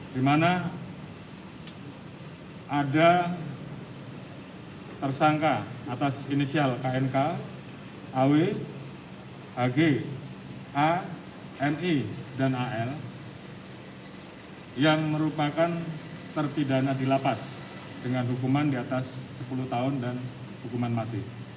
di mana ada tersangka atas inisial knk aw ag a ni dan al yang merupakan tertidana di lapas dengan hukuman di atas sepuluh tahun dan hukuman mati